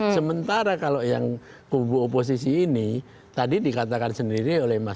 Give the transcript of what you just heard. sementara kalau yang kubu oposisi ini tadi dikatakan sendiri oleh mas